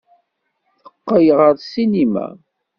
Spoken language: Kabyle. Teqqel ɣer ssinima.